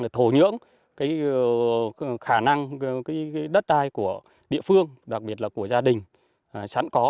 thổ nhưỡng cái khả năng đất đai của địa phương đặc biệt là của gia đình sẵn có